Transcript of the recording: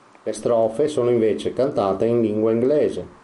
Le strofe sono invece cantate in lingua inglese.